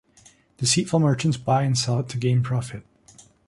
Deceitful merchants buy and sell it to gain profit.